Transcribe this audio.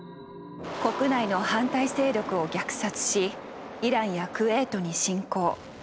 国内の反対勢力を虐殺しイランやクウェートに侵攻。